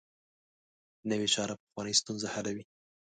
نوې چاره پخوانۍ ستونزه حلوي